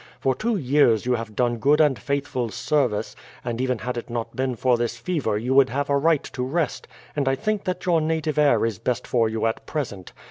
For two years you have done good and faithful service, and even had it not been for this fever you would have a right to rest, and I think that your native air is best for you at present.